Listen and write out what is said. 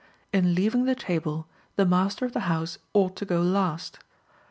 In leaving the table, the master of the house ought to go last.